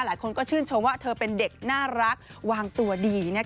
หลายคนก็ชื่นชมว่าเธอเป็นเด็กน่ารักวางตัวดี